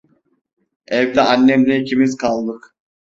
Evde annemle ikimiz kaldık.